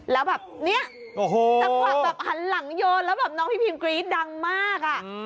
แล้วแบบเนี่ยจังหวะแบบหันหลังโยนแล้วแบบน้องพี่พิมกรี๊ดดังมากอ่ะ